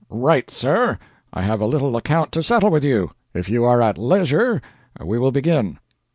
"Right, Sir. I have a little account to settle with you. If you are at leisure we will begin."